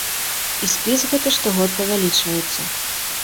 І спіс гэты штогод павялічваецца.